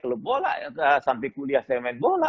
kalau bola sampai kuliah saya main bola